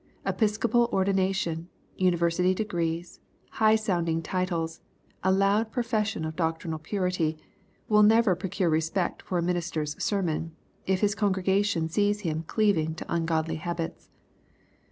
Episcopal ordi nation, university degrees, high sounding titles, a loud profession of doctrinal purity, will never procure respect for a minister's sermon, if his congregation sees him cleaving to ungodly habits.